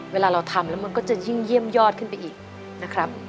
เวลาเราทำแล้วมันก็จะยิ่งเยี่ยมยอดขึ้นไปอีกนะครับ